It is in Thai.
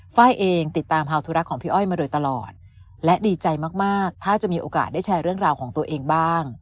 ไฟล์เองติดตามฮาวธุระของพี่อ้อยมาโดยตลอดและดีใจมากถ้าจะมีโอกาสได้แชร์เรื่องราวของตัวเองบ้าง